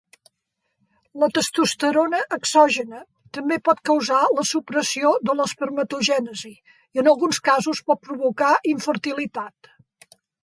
La testosterona exògena també pot causar la supressió de l'espermatogènesi, i en alguns casos pot provocar infertilitat.